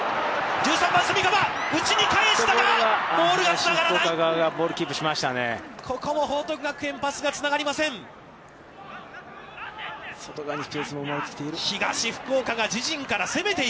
１３番、炭竈、内に返したが、ボールがつながらない。